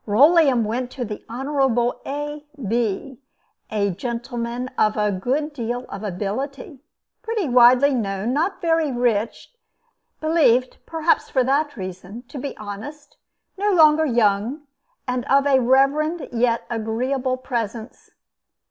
Rolleum went to the Honorable A. Bee, a gentleman of a good deal of ability, pretty widely known, not very rich, believed (perhaps for that reason) to be honest, no longer young, and of a reverend yet agreeable presence.